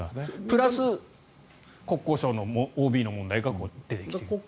プラス、国交省のＯＢの問題が出てきている。